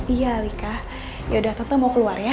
iya alika yaudah tante mau keluar ya